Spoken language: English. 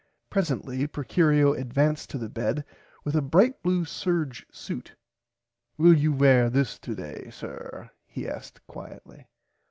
Presently Procurio advanced to the bed with a bright blue serge suit. Will you wear this today sir he asked quietly.